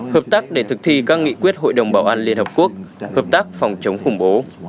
hợp tác để thực thi các nghị quyết hội đồng bảo an liên hợp quốc hợp tác phòng chống khủng bố